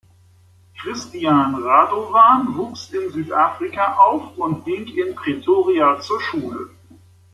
Christian Radovan wuchs in Südafrika auf und ging in Pretoria zur Schule.